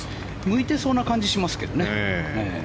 向いてそうな感じしますけどね。